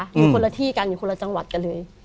อยู่คนละที่กันอยู่คนละจังหวัดกันเลย